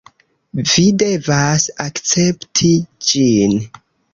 Vi devas akcepti ĝin.